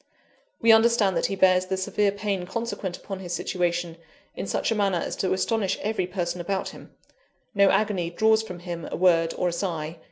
We understand that he bears the severe pain consequent upon his situation, in such a manner as to astonish every person about him no agony draws from him a word or a sigh.